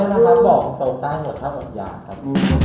อ๋อเฮ้ยนะครับบอกตรงด้านหัวข้าวอับยาครับ